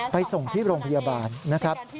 ไปส่งที่โรงพยาบาลนะครับ